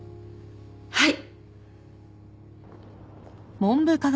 はい。